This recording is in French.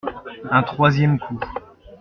Un troisième coup.